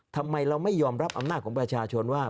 ทำไมเราไม่ยอมรับอำนาจของประชาชนว่า